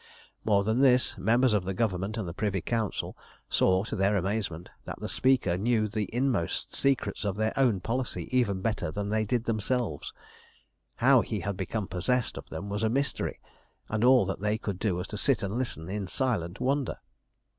More than this, members of the Government and the Privy Council saw, to their amazement, that the speaker knew the inmost secrets of their own policy even better than they did themselves. How he had become possessed of them was a mystery, and all that they could do was to sit and listen in silent wonder.